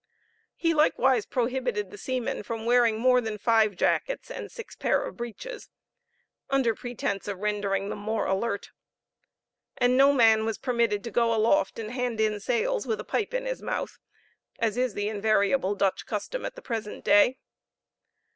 He likewise prohibited the seamen from wearing more than five jackets and six pair of breeches, under pretence of rendering them more alert; and no man was permitted to go aloft and hand in sails with a pipe in his mouth, as is the invariable Dutch custom at the present day.